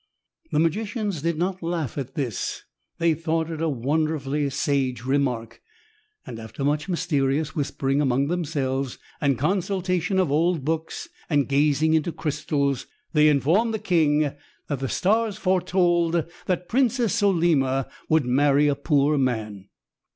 The magicians did not laugh at this: they thought it a wonderfully sage remark, and after much mysterious whispering among themselves and consultation of old books, and gazing into crystals, they informed the king that the stars foretold that Princess Solima would marry a poor man!